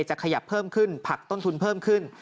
จะขยับเพิ่มขึ้นผลักต้นทุนเพิ่มขึ้น